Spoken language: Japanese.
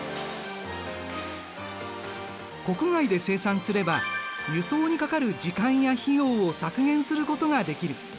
国外で生産すれば輸送にかかる時間や費用を削減することができる。